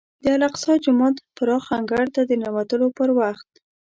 د الاقصی جومات پراخ انګړ ته د ننوتلو پر وخت.